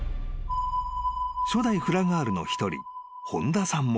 ［初代フラガールの一人本田さんも］